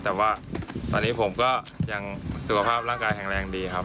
แต่ว่าตอนนี้ผมก็ยังสุขภาพร่างกายแข็งแรงดีครับ